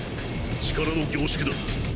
力の凝縮だ。